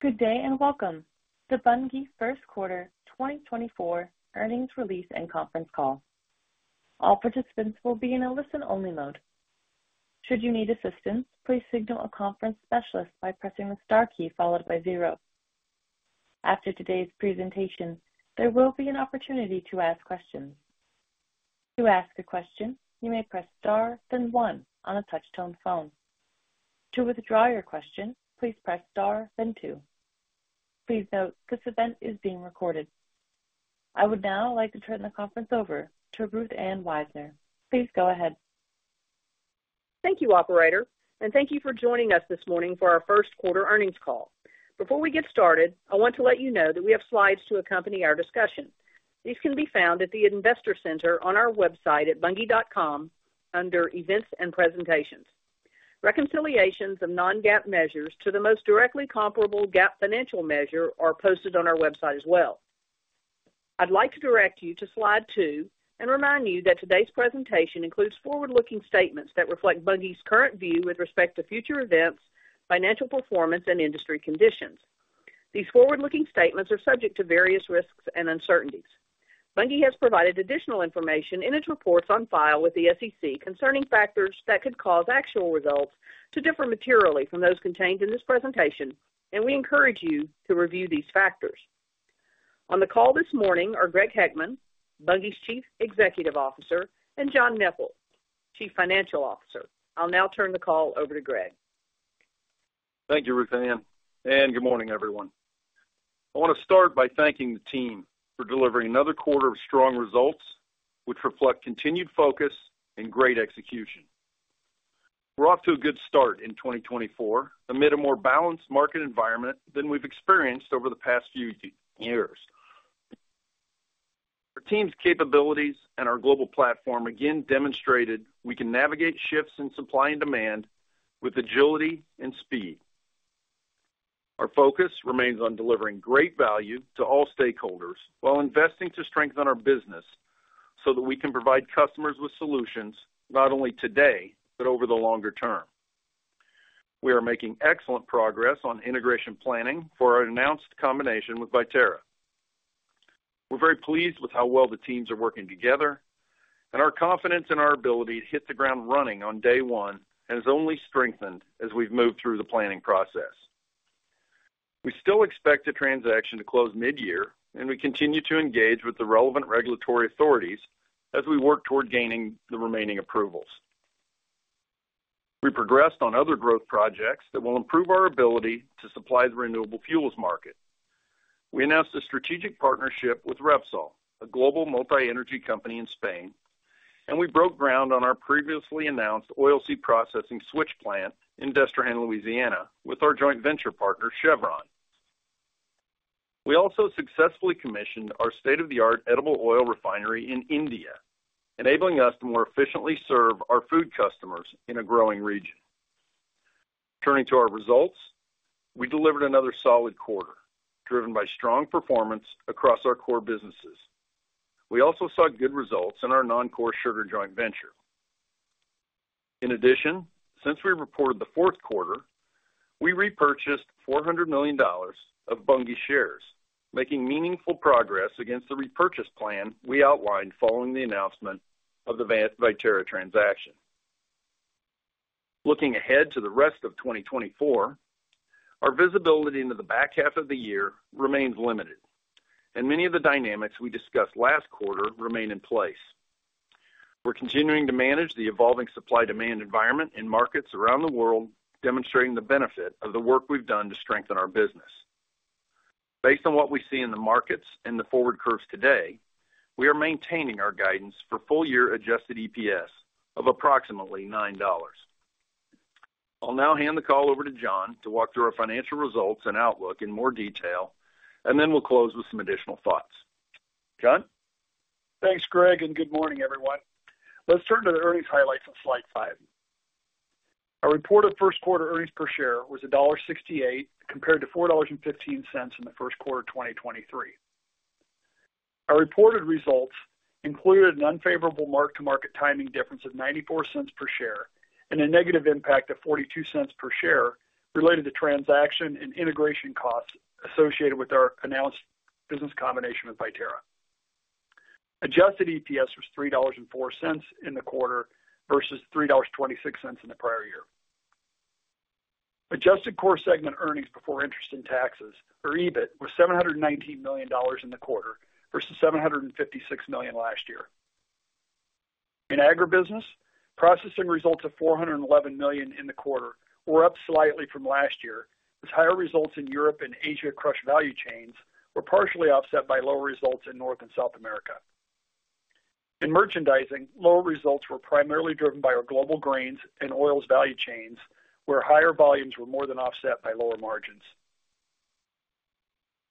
Good day and welcome to Bunge First Quarter 2024 earnings release and conference call. All participants will be in a listen-only mode. Should you need assistance, please signal a conference specialist by pressing the star key followed by zero. After today's presentation, there will be an opportunity to ask questions. To ask a question, you may press star then one on a touch-tone phone. To withdraw your question, please press star then two. Please note this event is being recorded. I would now like to turn the conference over to Ruth Ann Wisener. Please go ahead. Thank you, operator, and thank you for joining us this morning for our first quarter earnings call. Before we get started, I want to let you know that we have slides to accompany our discussion. These can be found at the Investor Center on our website at bunge.com under Events and Presentations. Reconciliations of non-GAAP measures to the most directly comparable GAAP financial measure are posted on our website as well. I'd like to direct you to slide 2 and remind you that today's presentation includes forward-looking statements that reflect Bunge's current view with respect to future events, financial performance, and industry conditions. These forward-looking statements are subject to various risks and uncertainties. Bunge has provided additional information in its reports on file with the SEC concerning factors that could cause actual results to differ materially from those contained in this presentation, and we encourage you to review these factors. On the call this morning are Greg Heckman, Bunge's Chief Executive Officer, and John Neppl, Chief Financial Officer. I'll now turn the call over to Greg. Thank you, Ruth Ann, and good morning, everyone. I want to start by thanking the team for delivering another quarter of strong results which reflect continued focus and great execution. We're off to a good start in 2024 amid a more balanced market environment than we've experienced over the past few years. Our team's capabilities and our global platform again demonstrated we can navigate shifts in supply and demand with agility and speed. Our focus remains on delivering great value to all stakeholders while investing to strengthen our business so that we can provide customers with solutions not only today but over the longer term. We are making excellent progress on integration planning for our announced combination with Viterra. We're very pleased with how well the teams are working together, and our confidence in our ability to hit the ground running on day one has only strengthened as we've moved through the planning process. We still expect a transaction to close mid-year, and we continue to engage with the relevant regulatory authorities as we work toward gaining the remaining approvals. We progressed on other growth projects that will improve our ability to supply the renewable fuels market. We announced a strategic partnership with Repsol, a global multi-energy company in Spain, and we broke ground on our previously announced oilseed processing crush plant in Destrehan, Louisiana, with our joint venture partner, Chevron. We also successfully commissioned our state-of-the-art edible oil refinery in India, enabling us to more efficiently serve our food customers in a growing region. Turning to our results, we delivered another solid quarter driven by strong performance across our core businesses. We also saw good results in our non-core sugar joint venture. In addition, since we reported the fourth quarter, we repurchased $400 million of Bunge shares, making meaningful progress against the repurchase plan we outlined following the announcement of the Viterra transaction. Looking ahead to the rest of 2024, our visibility into the back half of the year remains limited, and many of the dynamics we discussed last quarter remain in place. We're continuing to manage the evolving supply-demand environment in markets around the world, demonstrating the benefit of the work we've done to strengthen our business. Based on what we see in the markets and the forward curves today, we are maintaining our guidance for full-year adjusted EPS of approximately $9. I'll now hand the call over to John to walk through our financial results and outlook in more detail, and then we'll close with some additional thoughts. John? Thanks, Greg, and good morning, everyone. Let's turn to the earnings highlights of slide 5. Our reported first quarter earnings per share was $1.68 compared to $4.15 in the first quarter of 2023. Our reported results included an unfavorable mark-to-market timing difference of $0.94 per share and a negative impact of $0.42 per share related to transaction and integration costs associated with our announced business combination with Viterra. Adjusted EPS was $3.04 in the quarter versus $3.26 in the prior year. Adjusted core segment earnings before interest and taxes, or EBIT, was $719 million in the quarter versus $756 million last year. In agribusiness, processing results of $411 million in the quarter were up slightly from last year as higher results in Europe and Asia crush value chains were partially offset by lower results in North and South America. In merchandising, lower results were primarily driven by our global grains and oils value chains, where higher volumes were more than offset by lower margins.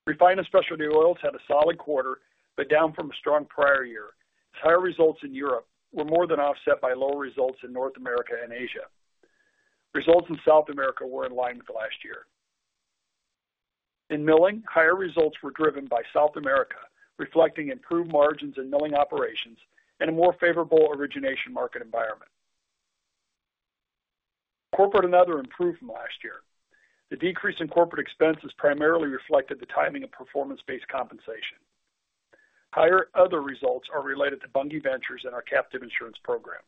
Refined and specialty oils had a solid quarter but down from a strong prior year as higher results in Europe were more than offset by lower results in North America and Asia. Results in South America were in line with last year. In milling, higher results were driven by South America, reflecting improved margins in milling operations and a more favorable origination market environment. Corporate and other improved from last year. The decrease in corporate expense has primarily reflected the timing of performance-based compensation. Higher other results are related to Bunge Ventures and our captive insurance program.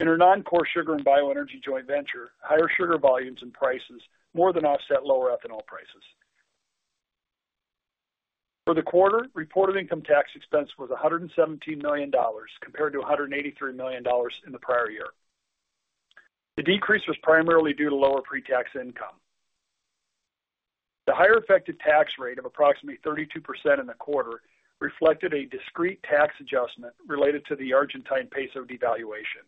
In our non-core sugar and bioenergy joint venture, higher sugar volumes and prices more than offset lower ethanol prices. For the quarter, reported income tax expense was $117 million compared to $183 million in the prior year. The decrease was primarily due to lower pre-tax income. The higher effective tax rate of approximately 32% in the quarter reflected a discrete tax adjustment related to the Argentine peso devaluation.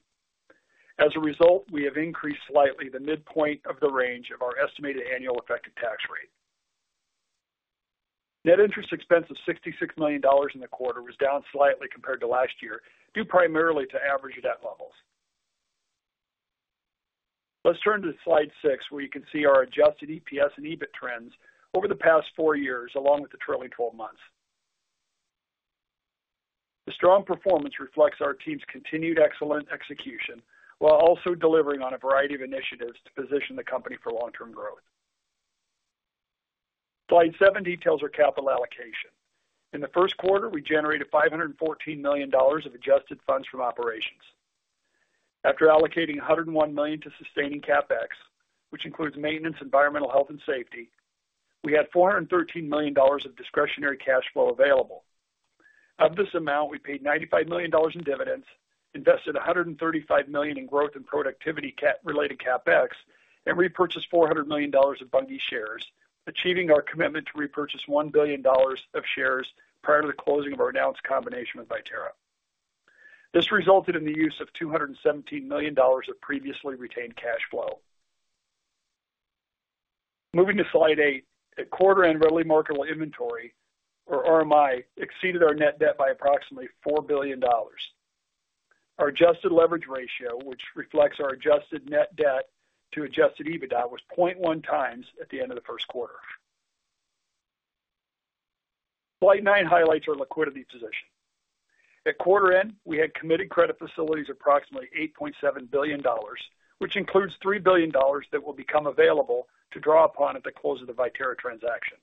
As a result, we have increased slightly the midpoint of the range of our estimated annual effective tax rate. Net interest expense of $66 million in the quarter was down slightly compared to last year due primarily to average debt levels. Let's turn to slide 6, where you can see our adjusted EPS and EBIT trends over the past four years along with the trailing 12 months. The strong performance reflects our team's continued excellent execution while also delivering on a variety of initiatives to position the company for long-term growth. Slide 7 details our capital allocation. In the first quarter, we generated $514 million of adjusted funds from operations. After allocating $101 million to sustaining CapEx, which includes maintenance, environmental health, and safety, we had $413 million of discretionary cash flow available. Of this amount, we paid $95 million in dividends, invested $135 million in growth and productivity-related CapEx, and repurchased $400 million of Bunge shares, achieving our commitment to repurchase $1 billion of shares prior to the closing of our announced combination with Viterra. This resulted in the use of $217 million of previously retained cash flow. Moving to Slide 8, a quarter-end readily marketable inventory, or RMI, exceeded our net debt by approximately $4 billion. Our adjusted leverage ratio, which reflects our adjusted net debt to adjusted EBITDA, was 0.1x at the end of the first quarter. Slide 9 highlights our liquidity position. At quarter-end, we had committed credit facilities approximately $8.7 billion, which includes $3 billion that will become available to draw upon at the close of the Viterra transaction.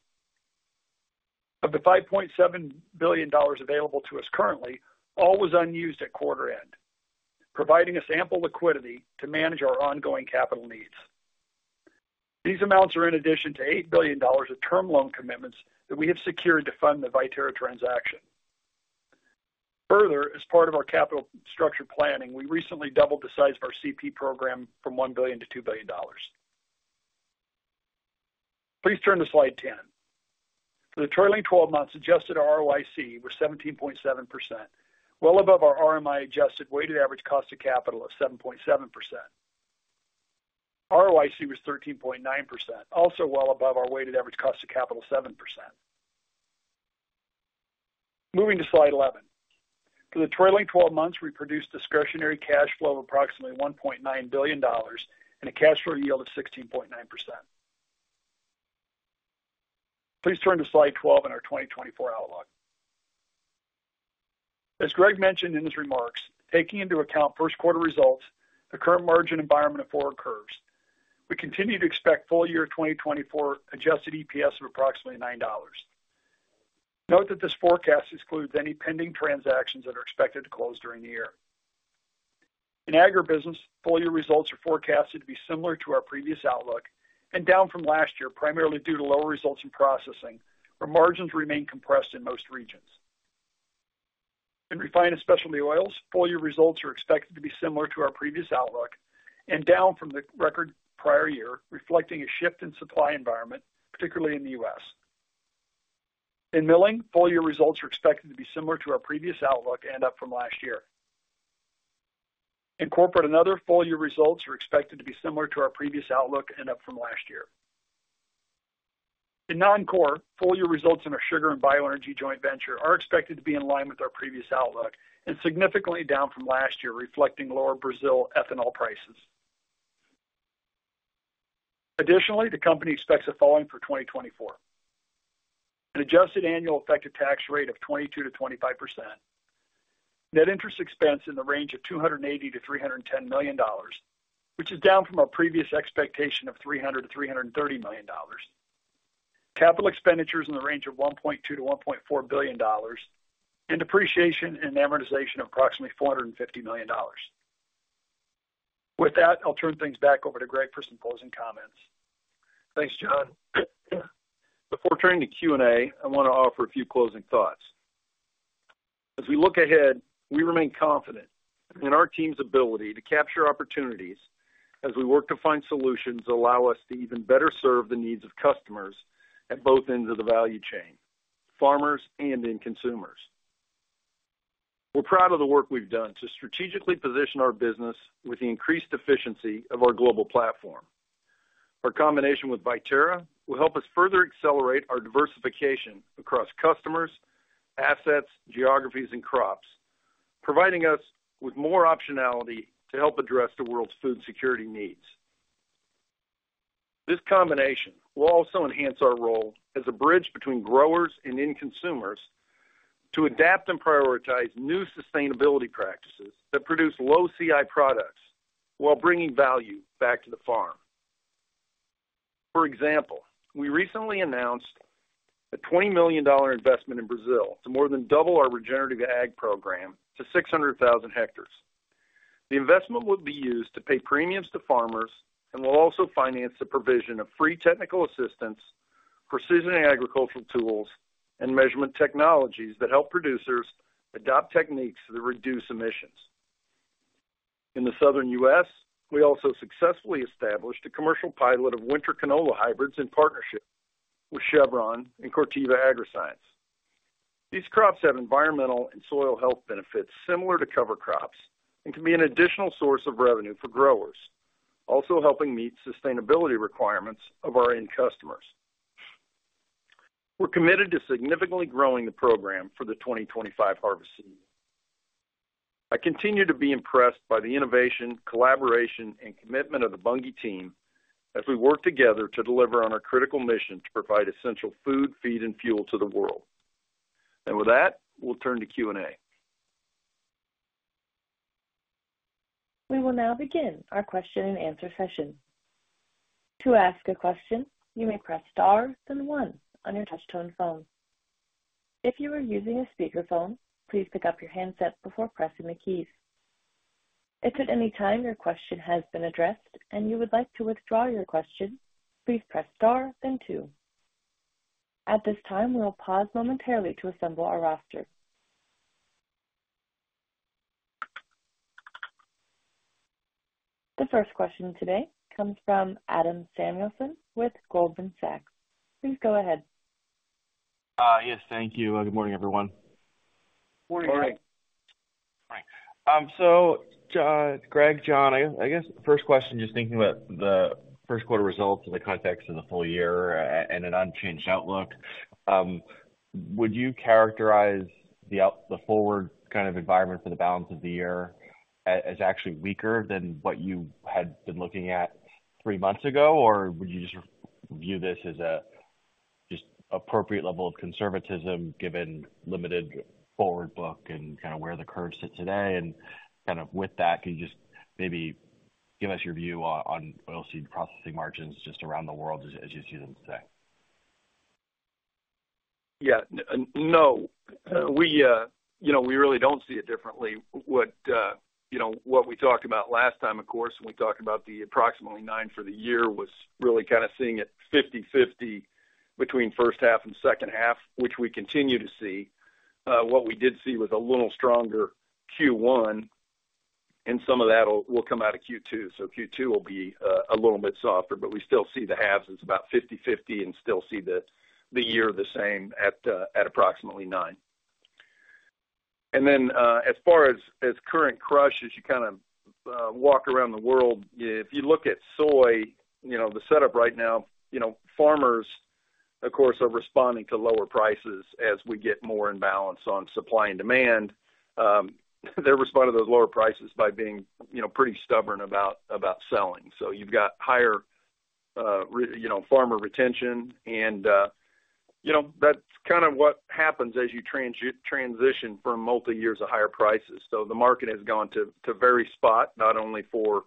Of the $5.7 billion available to us currently, all was unused at quarter-end, providing ample liquidity to manage our ongoing capital needs. These amounts are in addition to $8 billion of term loan commitments that we have secured to fund the Viterra transaction. Further, as part of our capital structure planning, we recently doubled the size of our CP program from $1 billion to $2 billion. Please turn to slide 10. For the trailing 12 months, adjusted ROIC was 17.7%, well above our RMI adjusted weighted average cost of capital of 7.7%. ROIC was 13.9%, also well above our weighted average cost of capital 7%. Moving to slide 11. For the trailing 12 months, we produced discretionary cash flow of approximately $1.9 billion and a cash flow yield of 16.9%. Please turn to slide 12 in our 2024 outlook. As Greg mentioned in his remarks, taking into account first quarter results, the current margin environment of forward curves, we continue to expect full-year 2024 adjusted EPS of approximately $9. Note that this forecast excludes any pending transactions that are expected to close during the year. In agribusiness, full-year results are forecasted to be similar to our previous outlook and down from last year primarily due to lower results in processing where margins remain compressed in most regions. In refined and specialty oils, full-year results are expected to be similar to our previous outlook and down from the record prior year, reflecting a shift in supply environment, particularly in the U.S. In milling, full-year results are expected to be similar to our previous outlook and up from last year. In corporate and other, full-year results are expected to be similar to our previous outlook and up from last year. In non-core, full-year results in our sugar and bioenergy joint venture are expected to be in line with our previous outlook and significantly down from last year, reflecting lower Brazil ethanol prices. Additionally, the company expects the following for 2024: an adjusted annual effective tax rate of 22%-25%, net interest expense in the range of $280 million-$310 million, which is down from our previous expectation of $300 million-$330 million, capital expenditures in the range of $1.2 billion-$1.4 billion, and depreciation and amortization of approximately $450 million. With that, I'll turn things back over to Greg for some closing comments. Thanks, John. Before turning to Q&A, I want to offer a few closing thoughts. As we look ahead, we remain confident in our team's ability to capture opportunities as we work to find solutions that allow us to even better serve the needs of customers at both ends of the value chain, farmers and end consumers. We're proud of the work we've done to strategically position our business with the increased efficiency of our global platform. Our combination with Viterra will help us further accelerate our diversification across customers, assets, geographies, and crops, providing us with more optionality to help address the world's food security needs. This combination will also enhance our role as a bridge between growers and end consumers to adapt and prioritize new sustainability practices that produce low CI products while bringing value back to the farm. For example, we recently announced a $20 million investment in Brazil to more than double our regenerative ag program to 600,000 hectares. The investment will be used to pay premiums to farmers and will also finance the provision of free technical assistance, precision agricultural tools, and measurement technologies that help producers adopt techniques that reduce emissions. In the southern U.S., we also successfully established a commercial pilot of winter canola hybrids in partnership with Chevron and Corteva Agriscience. These crops have environmental and soil health benefits similar to cover crops and can be an additional source of revenue for growers, also helping meet sustainability requirements of our end customers. We're committed to significantly growing the program for the 2025 harvest season. I continue to be impressed by the innovation, collaboration, and commitment of the Bunge team as we work together to deliver on our critical mission to provide essential food, feed, and fuel to the world. With that, we'll turn to Q&A. We will now begin our question and answer session. To ask a question, you may press star then one on your touchscreen phone. If you are using a speakerphone, please pick up your handset before pressing the keys. If at any time your question has been addressed and you would like to withdraw your question, please press star then two. At this time, we will pause momentarily to assemble our roster. The first question today comes from Adam Samuelson with Goldman Sachs. Please go ahead. Yes, thank you. Good morning, everyone. Morning. Morning. So, Greg, John, I guess the first question, just thinking about the first quarter results in the context of the full year and an unchanged outlook, would you characterize the forward kind of environment for the balance of the year as actually weaker than what you had been looking at three months ago, or would you just view this as just appropriate level of conservatism given limited forward book and kind of where the curve sits today? And kind of with that, can you just maybe give us your view on oilseed processing margins just around the world as you see them today? Yeah. No, we really don't see it differently. What we talked about last time, of course, when we talked about the approximately $9 for the year was really kind of seeing it 50/50 between first half and second half, which we continue to see. What we did see was a little stronger Q1, and some of that will come out of Q2. So Q2 will be a little bit softer, but we still see the halves. It's about 50/50 and still see the year the same at approximately nine. And then as far as current crush, as you kind of walk around the world, if you look at soy, the setup right now, farmers, of course, are responding to lower prices as we get more imbalance on supply and demand. They're responding to those lower prices by being pretty stubborn about selling. So you've got higher farmer retention, and that's kind of what happens as you transition from multi-years of higher prices. So the market has gone to very spot, not only for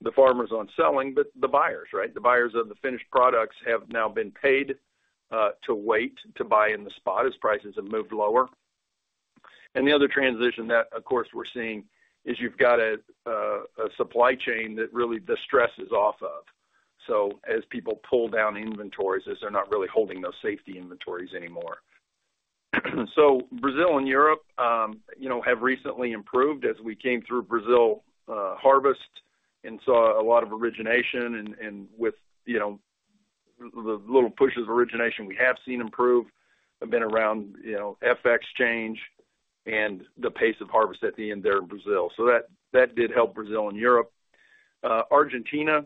the farmers on selling, but the buyers, right? The buyers of the finished products have now been paid to wait to buy in the spot as prices have moved lower. And the other transition that, of course, we're seeing is you've got a supply chain that really the stress is off of. So as people pull down inventories, as they're not really holding those safety inventories anymore. So Brazil and Europe have recently improved as we came through Brazil harvest and saw a lot of origination. And with the little pushes of origination, we have seen improve. They've been around FX change and the pace of harvest at the end there in Brazil. So that did help Brazil and Europe. Argentina,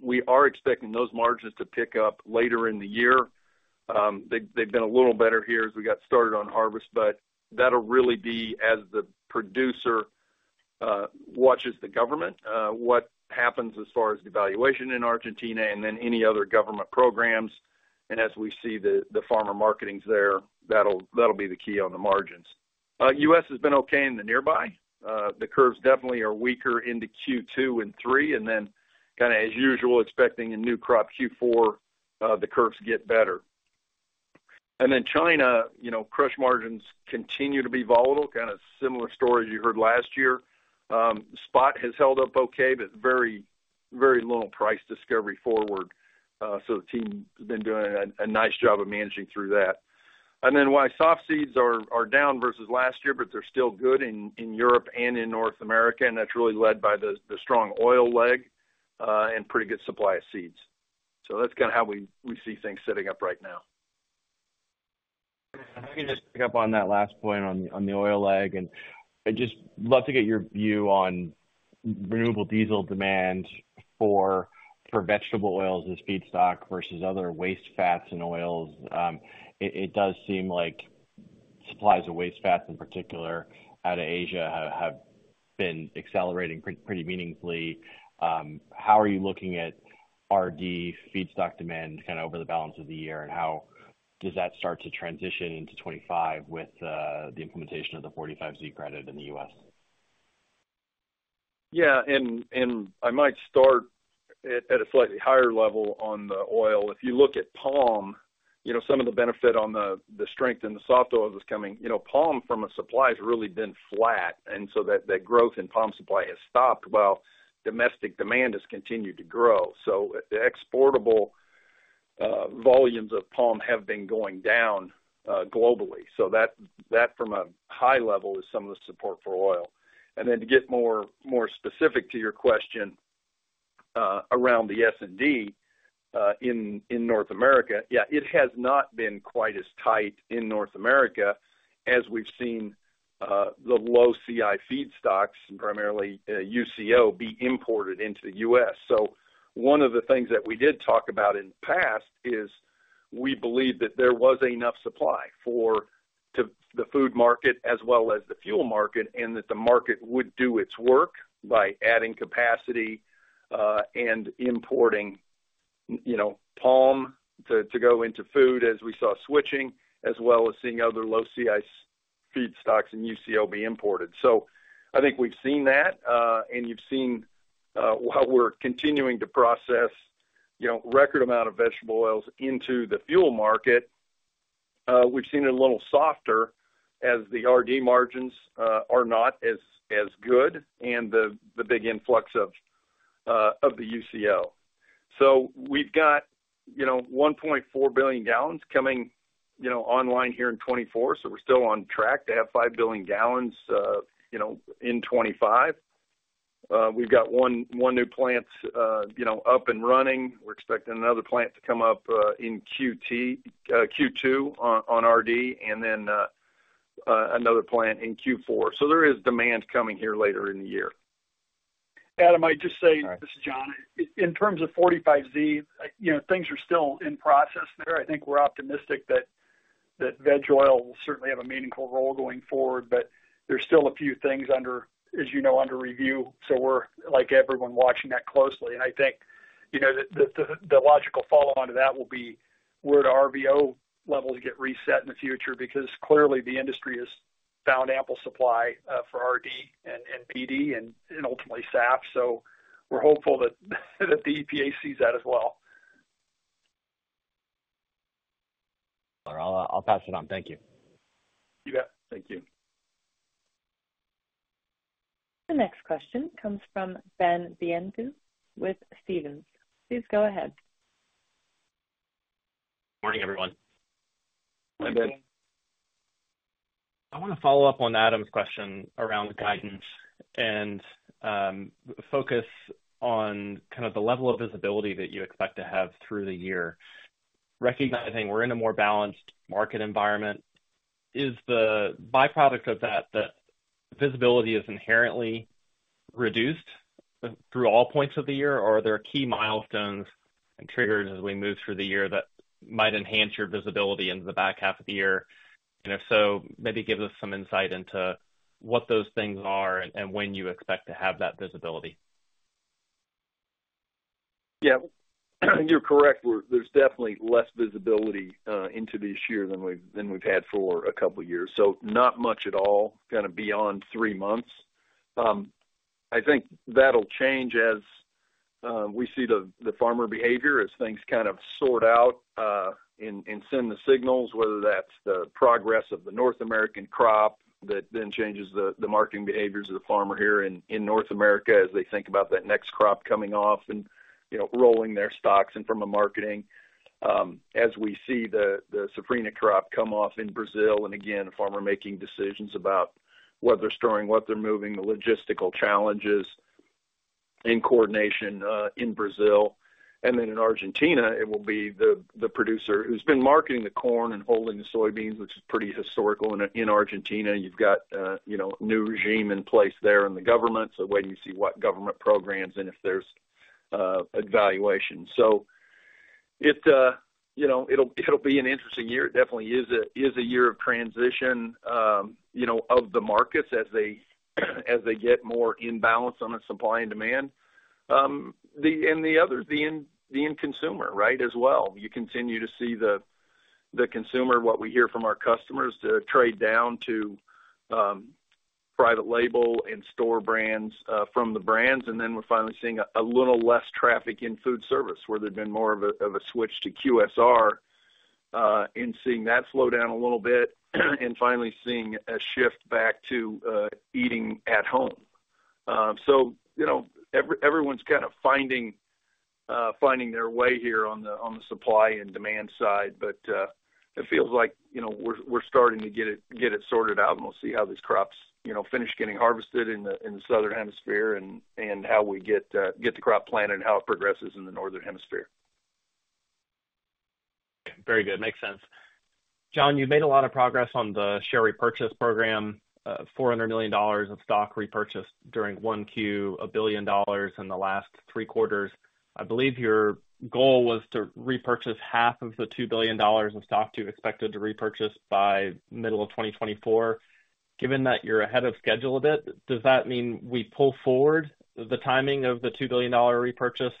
we are expecting those margins to pick up later in the year. They've been a little better here as we got started on harvest, but that'll really be as the producer watches the government, what happens as far as devaluation in Argentina, and then any other government programs. And as we see the farmer marketings there, that'll be the key on the margins. U.S. has been okay in the nearby. The curves definitely are weaker into Q2 and Q3. And then kind of as usual, expecting a new crop Q4, the curves get better. And then China, crush margins continue to be volatile, kind of similar story as you heard last year. Spot has held up okay, but very little price discovery forward. So the team has been doing a nice job of managing through that. And then why soft seeds are down versus last year, but they're still good in Europe and in North America, and that's really led by the strong oil leg and pretty good supply of seeds. So that's kind of how we see things setting up right now. If I can just pick up on that last point on the oil leg, and I'd just love to get your view on renewable diesel demand for vegetable oils as feedstock versus other waste fats and oils. It does seem like supplies of waste fats in particular out of Asia have been accelerating pretty meaningfully. How are you looking at RD feedstock demand kind of over the balance of the year, and how does that start to transition into 2025 with the implementation of the 45Z credit in the U.S.? Yeah. And I might start at a slightly higher level on the oil. If you look at palm, some of the benefit on the strength in the soft oils is coming. Palm from a supply has really been flat, and so that growth in palm supply has stopped while domestic demand has continued to grow. So the exportable volumes of palm have been going down globally. So that from a high level is some of the support for oil. And then to get more specific to your question around the S&D in North America, yeah, it has not been quite as tight in North America as we've seen the low CI feedstocks and primarily UCO be imported into the U.S. So one of the things that we did talk about in the past is we believe that there was enough supply for the food market as well as the fuel market and that the market would do its work by adding capacity and importing palm to go into food as we saw switching, as well as seeing other low CI feedstocks and UCO be imported. So I think we've seen that, and you've seen while we're continuing to process record amount of vegetable oils into the fuel market, we've seen it a little softer as the RD margins are not as good and the big influx of the UCO. So we've got 1.4 billion gallons coming online here in 2024, so we're still on track to have 5 billion gallons in 2025. We've got one new plant up and running. We're expecting another plant to come up in Q2 on RD and then another plant in Q4. There is demand coming here later in the year. Adam, I'd just say, this is John, in terms of 45Z, things are still in process there. I think we're optimistic that veg oil will certainly have a meaningful role going forward, but there's still a few things, as you know, under review. So we're, like everyone, watching that closely. And I think the logical follow-on to that will be where do RVO levels get reset in the future because clearly the industry has found ample supply for RD and BD and ultimately SAF. So we're hopeful that the EPA sees that as well. I'll pass it on. Thank you. You bet. Thank you. The next question comes from Ben Bienvenu with Stephens. Please go ahead. Morning, everyone. Hi, Ben. I want to follow up on Adam's question around guidance and focus on kind of the level of visibility that you expect to have through the year. Recognizing we're in a more balanced market environment, is the byproduct of that that visibility is inherently reduced through all points of the year, or are there key milestones and triggers as we move through the year that might enhance your visibility into the back half of the year? And if so, maybe give us some insight into what those things are and when you expect to have that visibility. Yeah, you're correct. There's definitely less visibility into this year than we've had for a couple of years. So not much at all kind of beyond three months. I think that'll change as we see the farmer behavior, as things kind of sort out and send the signals, whether that's the progress of the North American crop that then changes the marketing behaviors of the farmer here in North America as they think about that next crop coming off and rolling their stocks and from a marketing as we see the Safrinha crop come off in Brazil. And again, a farmer making decisions about what they're storing, what they're moving, the logistical challenges and coordination in Brazil. And then in Argentina, it will be the producer who's been marketing the corn and holding the soybeans, which is pretty historical. And in Argentina, you've got a new regime in place there in the government. So waiting to see what government programs and if there's evaluation. So it'll be an interesting year. It definitely is a year of transition of the markets as they get more imbalance on the supply and demand. And the others, the end consumer, right, as well. You continue to see the consumer, what we hear from our customers, to trade down to private label and store brands from the brands. And then we're finally seeing a little less traffic in food service where there'd been more of a switch to QSR and seeing that slow down a little bit and finally seeing a shift back to eating at home. So everyone's kind of finding their way here on the supply and demand side, but it feels like we're starting to get it sorted out, and we'll see how these crops finish getting harvested in the Southern Hemisphere and how we get the crop planted and how it progresses in the Northern Hemisphere. Very good. Makes sense. John, you've made a lot of progress on the share repurchase program, $400 million of stock repurchased during one Q, $1 billion in the last three quarters. I believe your goal was to repurchase $1 billion of stock you expected to repurchase by middle of 2024. Given that you're ahead of schedule a bit, does that mean we pull forward the timing of the $2 billion repurchase,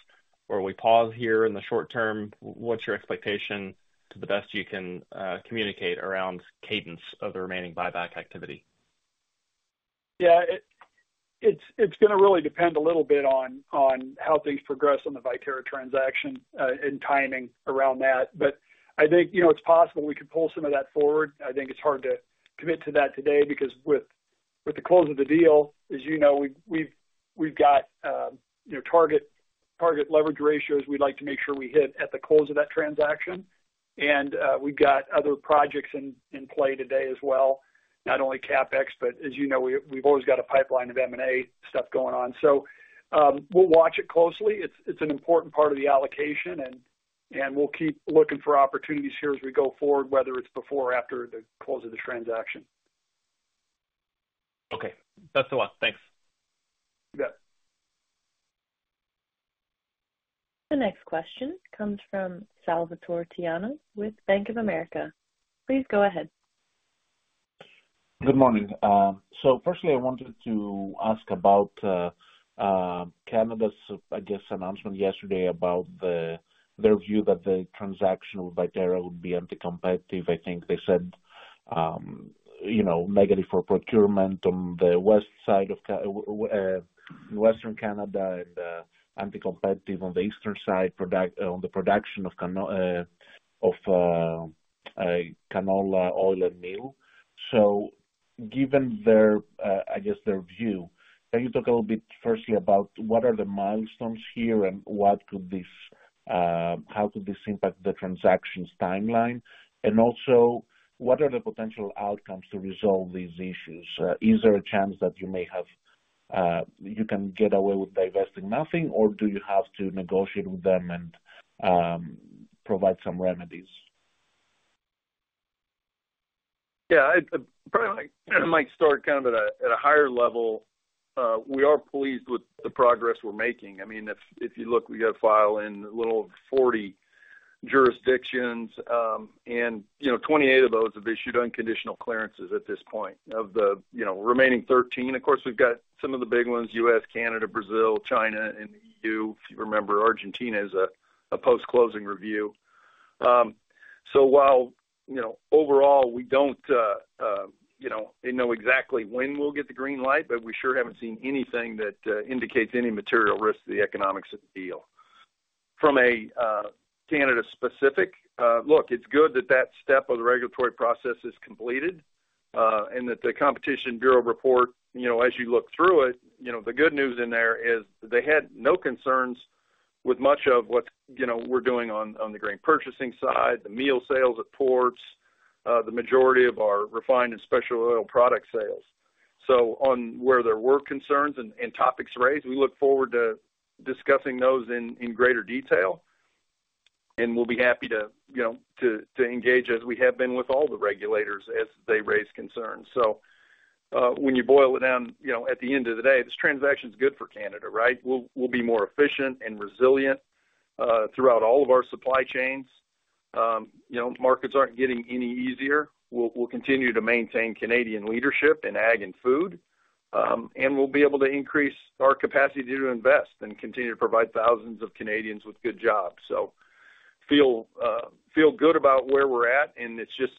or we pause here in the short term? What's your expectation to the best you can communicate around cadence of the remaining buyback activity? Yeah, it's going to really depend a little bit on how things progress on the Viterra transaction and timing around that. But I think it's possible we could pull some of that forward. I think it's hard to commit to that today because with the close of the deal, as you know, we've got target leverage ratios we'd like to make sure we hit at the close of that transaction. And we've got other projects in play today as well, not only CapEx, but as you know, we've always got a pipeline of M&A stuff going on. So we'll watch it closely. It's an important part of the allocation, and we'll keep looking for opportunities here as we go forward, whether it's before or after the close of the transaction. Okay. That's the one. Thanks. You bet. The next question comes from Salvator Tiano with Bank of America. Please go ahead. Good morning. So firstly, I wanted to ask about Canada, I guess, announcement yesterday about their view that the transaction with Viterra would be anticompetitive. I think they said negative for procurement on the west side of Western Canada and anticompetitive on the eastern side on the production of canola oil and meal. So given their, I guess, their view, can you talk a little bit firstly about what are the milestones here and how could this impact the transaction's timeline? And also, what are the potential outcomes to resolve these issues? Is there a chance that you may have you can get away with divesting nothing, or do you have to negotiate with them and provide some remedies? Yeah, I might start kind of at a higher level. We are pleased with the progress we're making. I mean, if you look, we got a filing in a little over 40 jurisdictions, and 28 of those have issued unconditional clearances at this point, of the remaining 13. Of course, we've got some of the big ones: U.S., Canada, Brazil, China, and the EU. If you remember, Argentina is a post-closing review. So while overall, we don't know exactly when we'll get the green light, but we sure haven't seen anything that indicates any material risk to the economics of the deal. From a Canada-specific look, it's good that that step of the regulatory process is completed and that the Competition Bureau report, as you look through it, the good news in there is they had no concerns with much of what we're doing on the grain purchasing side, the meal sales at ports, the majority of our refined and special oil product sales. So on where there were concerns and topics raised, we look forward to discussing those in greater detail. We'll be happy to engage as we have been with all the regulators as they raise concerns. So when you boil it down at the end of the day, this transaction is good for Canada, right? We'll be more efficient and resilient throughout all of our supply chains. Markets aren't getting any easier. We'll continue to maintain Canadian leadership in ag and food, and we'll be able to increase our capacity to invest and continue to provide thousands of Canadians with good jobs. So feel good about where we're at, and it's just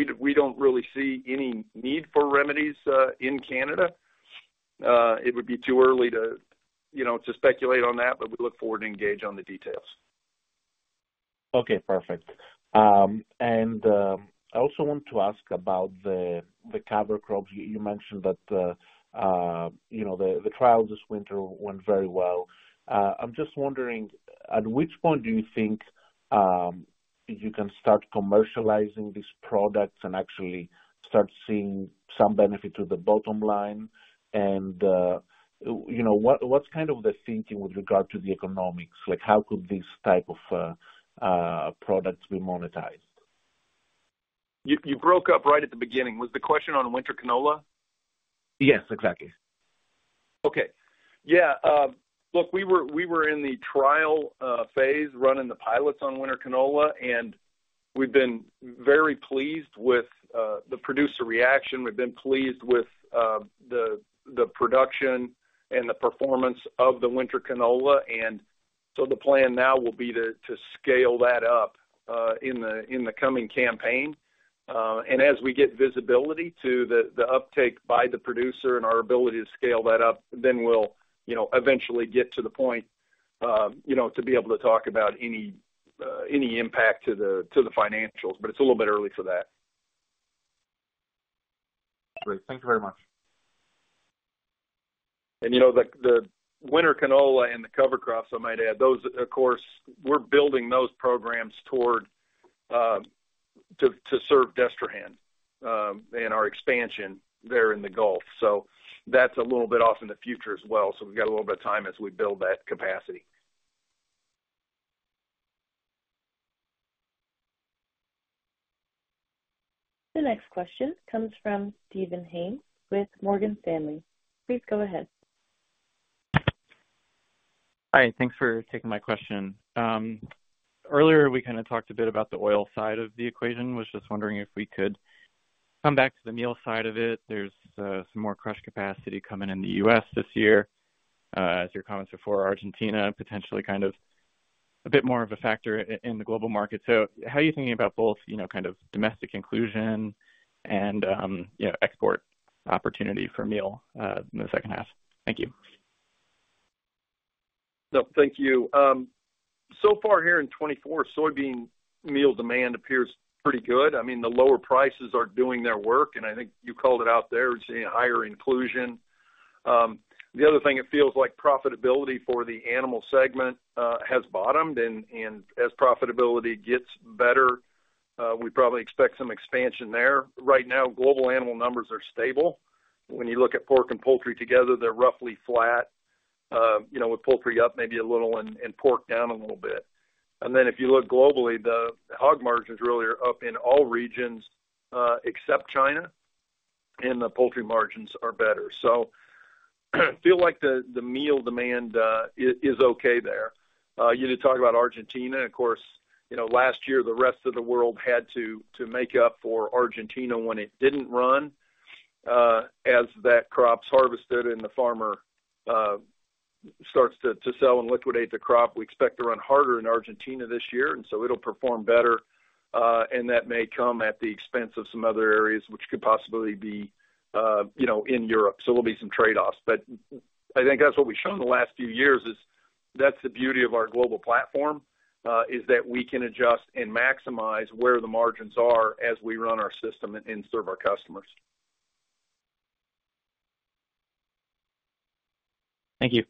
we don't really see any need for remedies in Canada. It would be too early to speculate on that, but we look forward to engage on the details. Okay, perfect. And I also want to ask about the cover crops. You mentioned that the trial this winter went very well. I'm just wondering, at which point do you think you can start commercializing these products and actually start seeing some benefit to the bottom line? And what's kind of the thinking with regard to the economics? How could this type of product be monetized? You broke up right at the beginning. Was the question on winter canola? Yes, exactly. Okay. Yeah. Look, we were in the trial phase running the pilots on winter canola, and we've been very pleased with the producer reaction. We've been pleased with the production and the performance of the winter canola. And so the plan now will be to scale that up in the coming campaign. And as we get visibility to the uptake by the producer and our ability to scale that up, then we'll eventually get to the point to be able to talk about any impact to the financials. But it's a little bit early for that. Great. Thank you very much. And the winter canola and the cover crops, I might add, of course, we're building those programs toward to serve Destrehan and our expansion there in the Gulf. So that's a little bit off in the future as well. So we've got a little bit of time as we build that capacity. The next question comes from Steven Haynes with Morgan Stanley. Please go ahead. Hi. Thanks for taking my question. Earlier, we kind of talked a bit about the oil side of the equation. I was just wondering if we could come back to the meal side of it. There's some more crush capacity coming in the U.S. this year. As your comments before, Argentina potentially kind of a bit more of a factor in the global market. So how are you thinking about both kind of domestic inclusion and export opportunity for meal in the second half? Thank you. No, thank you. So far here in 2024, soybean meal demand appears pretty good. I mean, the lower prices are doing their work, and I think you called it out there. We're seeing higher inclusion. The other thing, it feels like profitability for the animal segment has bottomed. And as profitability gets better, we probably expect some expansion there. Right now, global animal numbers are stable. When you look at pork and poultry together, they're roughly flat with poultry up maybe a little and pork down a little bit. And then if you look globally, the hog margins really are up in all regions except China, and the poultry margins are better. So I feel like the meal demand is okay there. You did talk about Argentina. Of course, last year, the rest of the world had to make up for Argentina when it didn't run as that crop's harvested and the farmer starts to sell and liquidate the crop. We expect to run harder in Argentina this year, and so it'll perform better. And that may come at the expense of some other areas, which could possibly be in Europe. So there'll be some trade-offs. But I think that's what we've shown the last few years, is that's the beauty of our global platform, is that we can adjust and maximize where the margins are as we run our system and serve our customers. Thank you.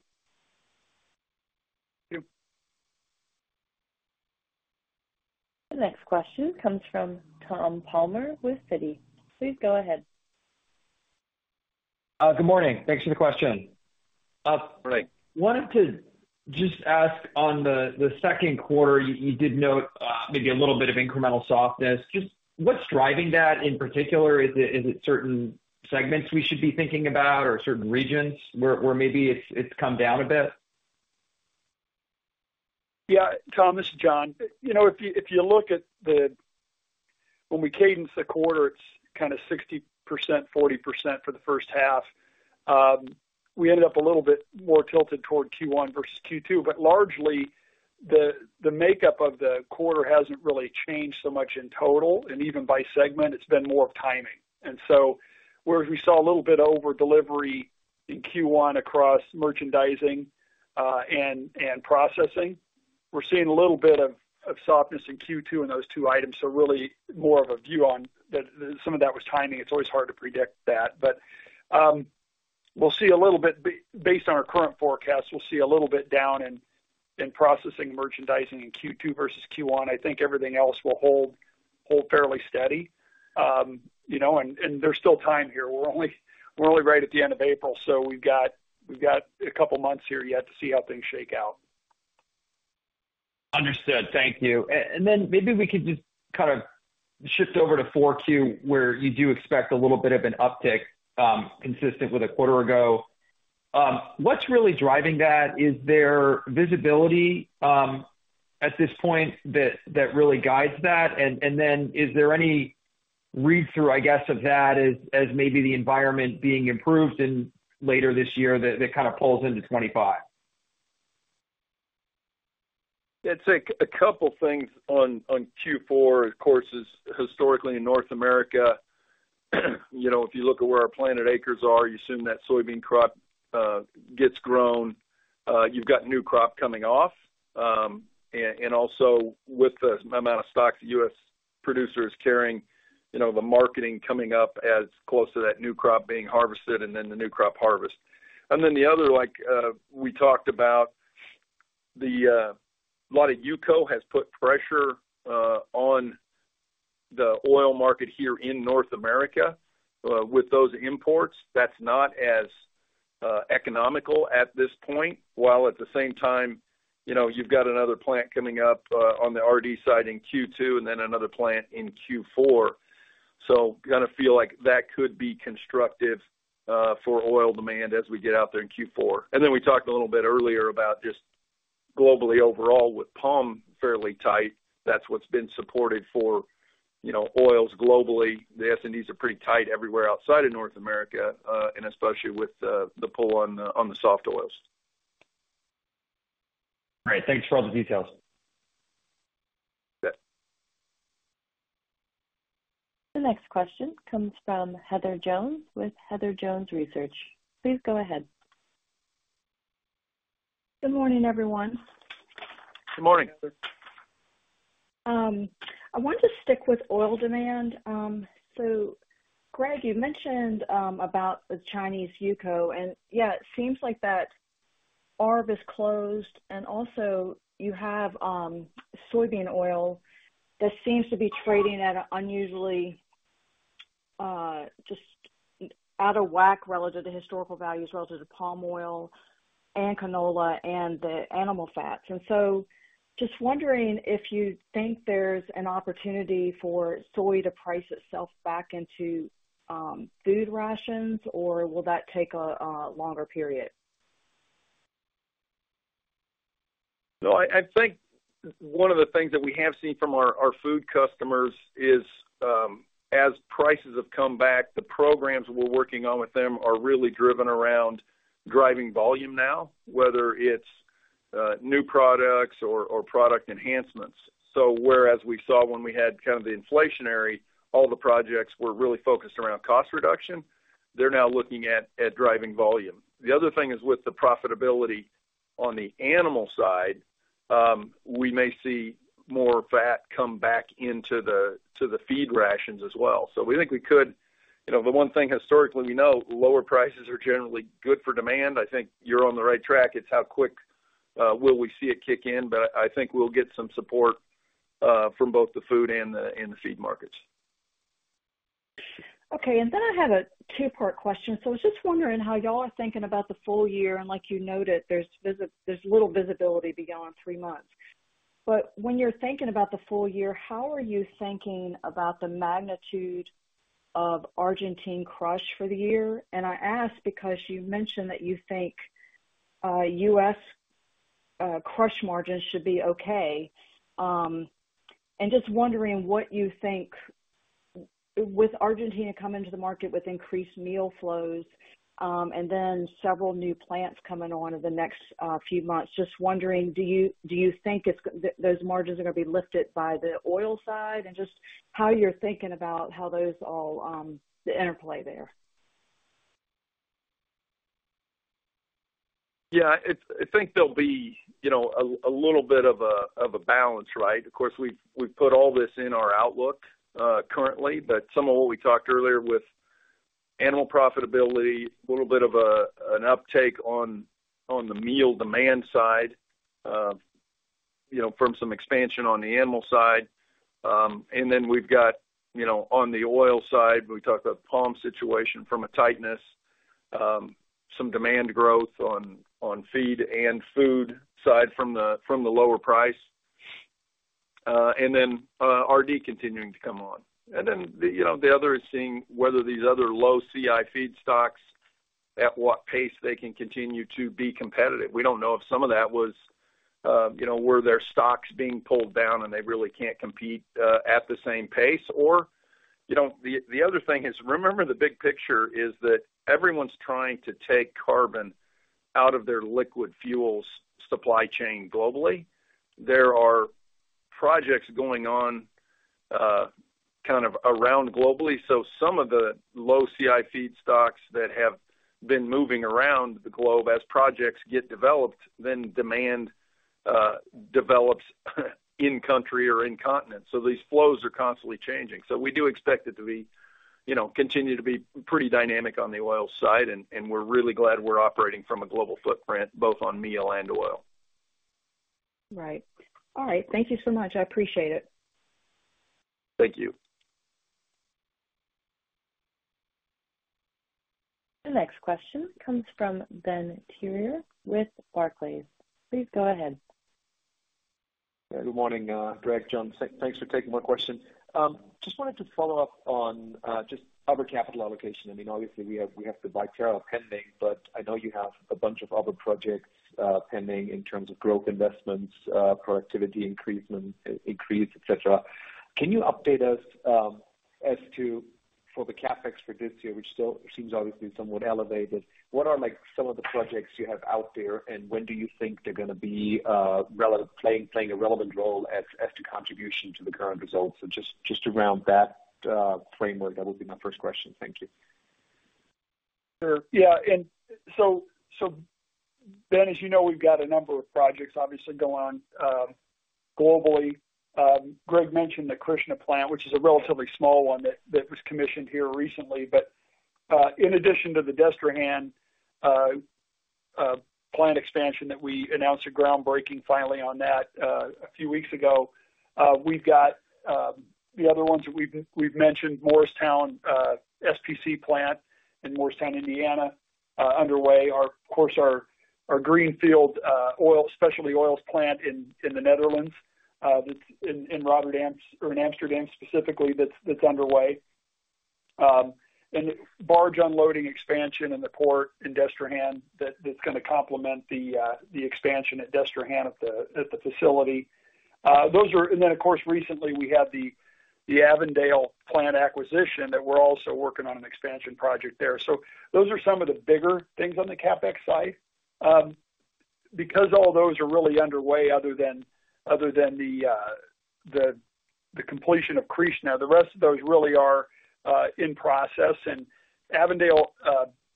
Thank you. The next question comes from Tom Palmer with Citi. Please go ahead. Good morning. Thanks for the question. Wanted to just ask on the second quarter, you did note maybe a little bit of incremental softness. Just what's driving that in particular? Is it certain segments we should be thinking about or certain regions where maybe it's come down a bit? Yeah, Tom, this is John. If you look at the way we cadence the quarter, it's kind of 60%, 40% for the first half. We ended up a little bit more tilted toward Q1 versus Q2, but largely, the makeup of the quarter hasn't really changed so much in total. And even by segment, it's been more of timing. And so whereas we saw a little bit overdelivery in Q1 across merchandising and processing, we're seeing a little bit of softness in Q2 in those two items. So really more of a view on some of that was timing. It's always hard to predict that. But we'll see a little bit based on our current forecasts, we'll see a little bit down in processing merchandising in Q2 versus Q1. I think everything else will hold fairly steady. And there's still time here. We're only right at the end of April, so we've got a couple of months here yet to see how things shake out. Understood. Thank you. And then maybe we could just kind of shift over to 4Q where you do expect a little bit of an uptick consistent with a quarter ago. What's really driving that? Is there visibility at this point that really guides that? And then is there any read-through, I guess, of that as maybe the environment being improved later this year that kind of pulls into 2025? Yeah, it's a couple of things on Q4. Of course, historically in North America, if you look at where our planted acres are, you assume that soybean crop gets grown. You've got new crop coming off. And also with the amount of stock the U.S. producer is carrying, the marketing coming up as close to that new crop being harvested and then the new crop harvest. And then the other we talked about, a lot of UCO has put pressure on the oil market here in North America with those imports. That's not as economical at this point, while at the same time, you've got another plant coming up on the RD side in Q2 and then another plant in Q4. So kind of feel like that could be constructive for oil demand as we get out there in Q4. Then we talked a little bit earlier about just globally overall with Palm fairly tight. That's what's been supported for oils globally. The S&Ds are pretty tight everywhere outside of North America, and especially with the pull on the soft oils. Great. Thanks for all the details. You bet. The next question comes from Heather Jones with Heather Jones Research. Please go ahead. Good morning, everyone. Good morning. I want to stick with oil demand. So, Greg, you mentioned about the Chinese UCO. And yeah, it seems like that ARB is closed. And also you have soybean oil that seems to be trading at an unusually just out of whack relative to historical values relative to palm oil and canola and the animal fats. And so just wondering if you think there's an opportunity for soy to price itself back into food rations, or will that take a longer period? No, I think one of the things that we have seen from our food customers is as prices have come back, the programs we're working on with them are really driven around driving volume now, whether it's new products or product enhancements. So whereas we saw when we had kind of the inflationary, all the projects were really focused around cost reduction, they're now looking at driving volume. The other thing is with the profitability on the animal side, we may see more fat come back into the feed rations as well. So we think we could the one thing historically we know, lower prices are generally good for demand. I think you're on the right track. It's how quick will we see it kick in? But I think we'll get some support from both the food and the feed markets. Okay. Then I have a two-part question. So I was just wondering how y'all are thinking about the full year. And like you noted, there's little visibility beyond three months. But when you're thinking about the full year, how are you thinking about the magnitude of Argentina crush for the year? And I ask because you mentioned that you think U.S. crush margins should be okay. And just wondering what you think with Argentina coming to the market with increased meal flows and then several new plants coming on in the next few months, just wondering, do you think those margins are going to be lifted by the oil side and just how you're thinking about how those all the interplay there? Yeah, I think there'll be a little bit of a balance, right? Of course, we've put all this in our outlook currently, but some of what we talked earlier with animal profitability, a little bit of an uptake on the meal demand side from some expansion on the animal side. And then we've got on the oil side, we talked about the palm situation from a tightness, some demand growth on feed and food side from the lower price, and then RD continuing to come on. And then the other is seeing whether these other low CI feedstocks, at what pace they can continue to be competitive. We don't know if some of that whether their stocks were being pulled down and they really can't compete at the same pace. Or the other thing is, remember the big picture is that everyone's trying to take carbon out of their liquid fuels supply chain globally. There are projects going on kind of around globally. So some of the low CI feedstocks that have been moving around the globe as projects get developed, then demand develops in-country or in continent. So these flows are constantly changing. So we do expect it to continue to be pretty dynamic on the oil side. And we're really glad we're operating from a global footprint, both on meal and oil. Right. All right. Thank you so much. I appreciate it. Thank you. The next question comes from Benjamin Theurer with Barclays. Please go ahead. Good morning, Greg, John. Thanks for taking my question. Just wanted to follow up on just ARB capital allocation. I mean, obviously, we have the Viterra pending, but I know you have a bunch of other projects pending in terms of growth investments, productivity increase, etc. Can you update us as to for the CapEx for this year, which still seems obviously somewhat elevated, what are some of the projects you have out there, and when do you think they're going to be playing a relevant role as to contribution to the current results? So just around that framework, that would be my first question. Thank you. Sure. Yeah. And so Ben, as you know, we've got a number of projects, obviously, going on globally. Greg mentioned the Krishnapatnam plant, which is a relatively small one that was commissioned here recently. But in addition to the Destrehan plant expansion that we announced a groundbreaking finally on that a few weeks ago, we've got the other ones that we've mentioned, Morristown SPC plant in Morristown, Indiana, underway. Of course, our Greenfield Specialty Oils plant in the Netherlands in Rotterdam or in Amsterdam specifically that's underway. And barge unloading expansion in the port in Destrehan that's going to complement the expansion at Destrehan at the facility. And then, of course, recently, we had the Avondale plant acquisition that we're also working on an expansion project there. So those are some of the bigger things on the CapEx side. Because all those are really underway other than the completion of Krishnapatnam, the rest of those really are in process. And Avondale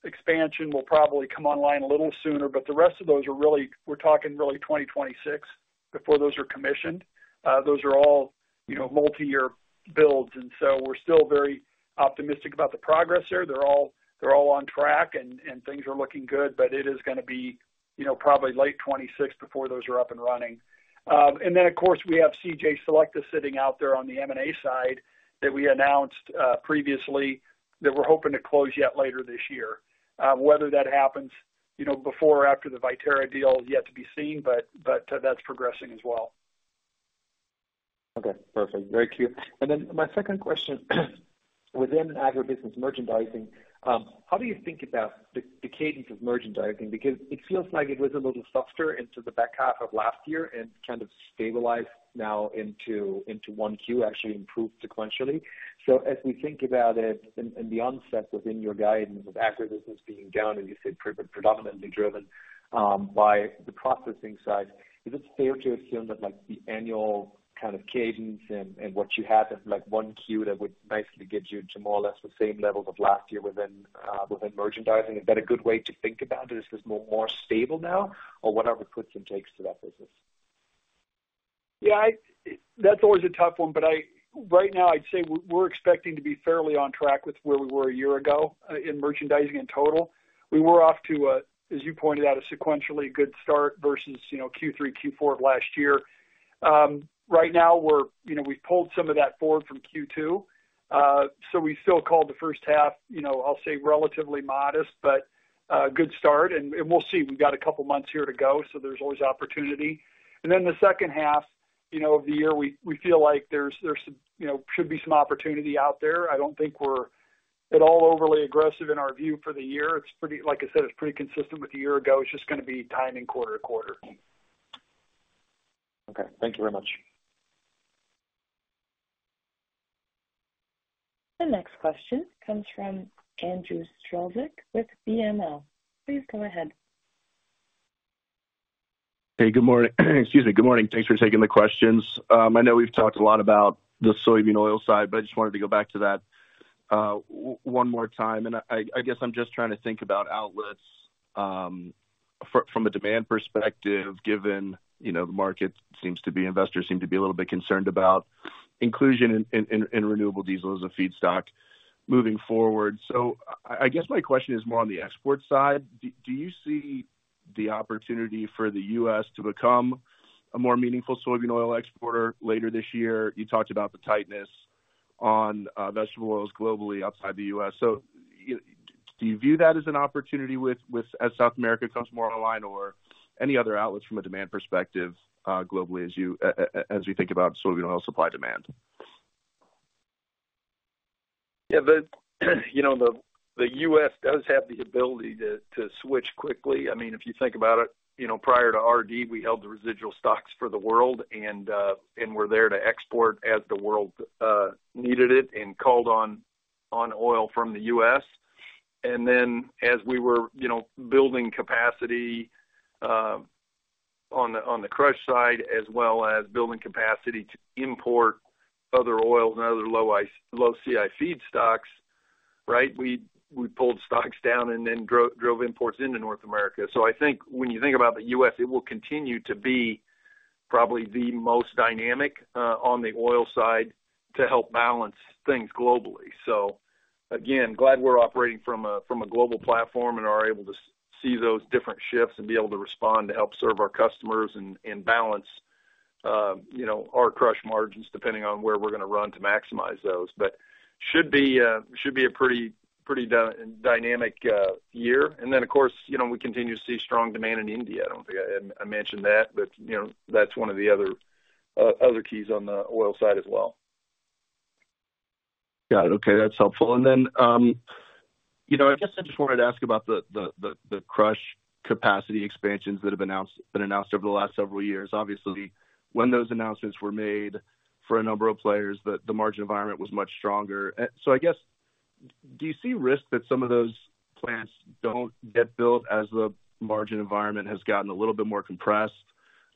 expansion will probably come online a little sooner. But the rest of those are really we're talking really 2026 before those are commissioned. Those are all multi-year builds. And so we're still very optimistic about the progress there. They're all on track, and things are looking good. But it is going to be probably late 2026 before those are up and running. And then, of course, we have CJ Selecta sitting out there on the M&A side that we announced previously that we're hoping to close yet later this year. Whether that happens before or after the Viterra deal, yet to be seen, but that's progressing as well. Okay. Perfect. Very cute. And then my second question, within agribusiness merchandising, how do you think about the cadence of merchandising? Because it feels like it was a little softer into the back half of last year and kind of stabilized now into 1Q, actually improved sequentially. So as we think about it and the onset within your guidance of agribusiness being down, and you said predominantly driven by the processing side, is it fair to assume that the annual kind of cadence and what you have in 1Q that would nicely get you to more or less the same levels of last year within merchandising, is that a good way to think about it? Is this more stable now, or whatever it puts and takes to that business? Yeah, that's always a tough one. But right now, I'd say we're expecting to be fairly on track with where we were a year ago in merchandising in total. We were off to, as you pointed out, a sequentially good start versus Q3, Q4 of last year. Right now, we've pulled some of that forward from Q2. So we still call the first half, I'll say, relatively modest, but a good start. And we'll see. We've got a couple of months here to go, so there's always opportunity. And then the second half of the year, we feel like there should be some opportunity out there. I don't think we're at all overly aggressive in our view for the year. Like I said, it's pretty consistent with the year ago. It's just going to be timing quarter to quarter. Okay. Thank you very much. The next question comes from Andrew Strelzik with BMO. Please go ahead. Hey, good morning. Excuse me. Good morning. Thanks for taking the questions. I know we've talked a lot about the soybean oil side, but I just wanted to go back to that one more time. And I guess I'm just trying to think about outlets from a demand perspective, given investors seem to be a little bit concerned about inclusion in renewable diesel as a feedstock moving forward. So I guess my question is more on the export side. Do you see the opportunity for the U.S. to become a more meaningful soybean oil exporter later this year? You talked about the tightness on vegetable oils globally outside the U.S. So do you view that as an opportunity as South America comes more online or any other outlets from a demand perspective globally as we think about soybean oil supply demand? Yeah, the U.S. does have the ability to switch quickly. I mean, if you think about it, prior to RD, we held the residual stocks for the world, and we're there to export as the world needed it and called on oil from the U.S. And then as we were building capacity on the crush side as well as building capacity to import other oils and other low CI feedstocks, right, we pulled stocks down and then drove imports into North America. So I think when you think about the U.S., it will continue to be probably the most dynamic on the oil side to help balance things globally. So again, glad we're operating from a global platform and are able to see those different shifts and be able to respond to help serve our customers and balance our crush margins depending on where we're going to run to maximize those. But should be a pretty dynamic year. And then, of course, we continue to see strong demand in India. I don't think I mentioned that, but that's one of the other keys on the oil side as well. Got it. Okay. That's helpful. And then I guess I just wanted to ask about the crush capacity expansions that have been announced over the last several years. Obviously, when those announcements were made for a number of players, the margin environment was much stronger. So I guess, do you see risk that some of those plants don't get built as the margin environment has gotten a little bit more compressed?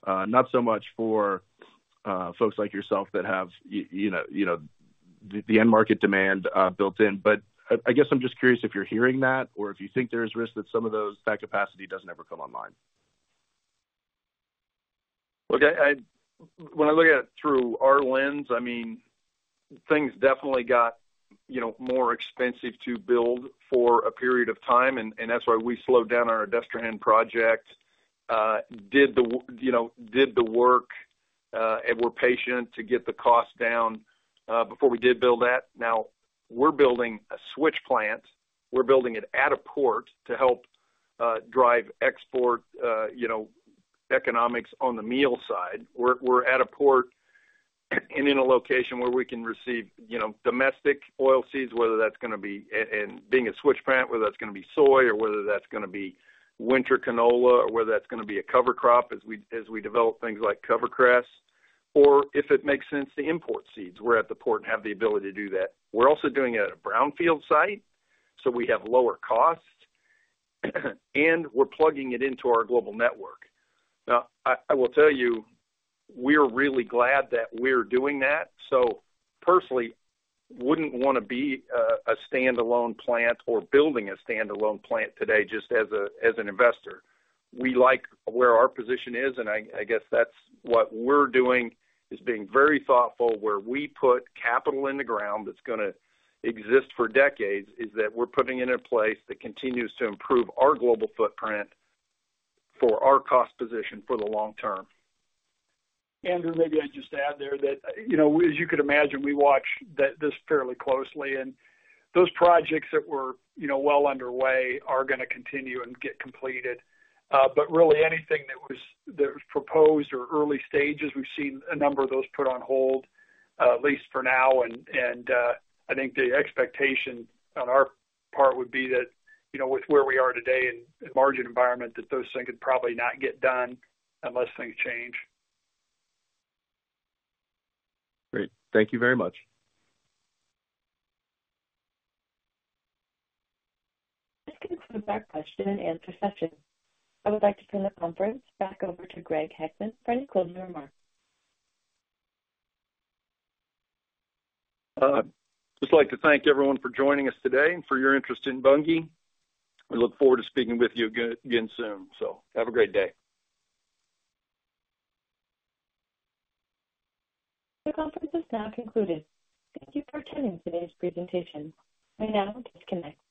Not so much for folks like yourself that have the end market demand built in, but I guess I'm just curious if you're hearing that or if you think there's risk that some of those that capacity doesn't ever come online? Okay. When I look at it through our lens, I mean, things definitely got more expensive to build for a period of time. And that's why we slowed down our Destrehan project, did the work, and were patient to get the cost down before we did build that. Now, we're building a crush plant. We're building it at a port to help drive export economics on the meal side. We're at a port and in a location where we can receive domestic oilseeds, whether that's going to be and being a crush plant, whether that's going to be soy or whether that's going to be winter canola or whether that's going to be a cover crop as we develop things like CoverCress. Or if it makes sense, the import seeds, we're at the port and have the ability to do that. We're also doing it at a brownfield site, so we have lower costs, and we're plugging it into our global network. Now, I will tell you, we're really glad that we're doing that. So personally, wouldn't want to be a standalone plant or building a standalone plant today just as an investor. We like where our position is, and I guess that's what we're doing is being very thoughtful where we put capital in the ground that's going to exist for decades is that we're putting it in a place that continues to improve our global footprint for our cost position for the long term. Andrew, maybe I'd just add there that as you could imagine, we watch this fairly closely. Those projects that were well underway are going to continue and get completed. Really, anything that was proposed or early stages, we've seen a number of those put on hold, at least for now. I think the expectation on our part would be that with where we are today and margin environment, that those things could probably not get done unless things change. Great. Thank you very much. Thank you for the question and answer session. I would like to turn the conference back over to Greg Heckman for any closing remarks. I'd just like to thank everyone for joining us today and for your interest in Bunge. We look forward to speaking with you again soon. So have a great day. The conference is now concluded. Thank you for attending today's presentation. I now disconnect.